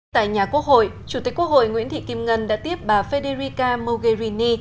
tại nhà quốc hội chủ tịch quốc hội nguyễn thị kim ngân đã tiếp bà federica mogherini